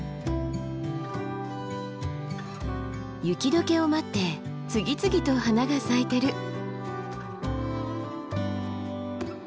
雪解けを待って次々と花が咲いてる。